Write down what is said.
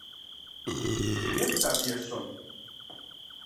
Еплъ сэ абы есщӏэм.